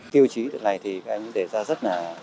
tiêu chí này thì các em để ra rất là nhiều